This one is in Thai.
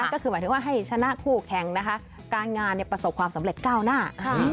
ก็คือหมายถึงว่าให้ชนะคู่แข่งนะคะการงานประสบความสำเร็จก้าวหน้า